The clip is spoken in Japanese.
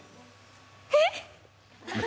えっ？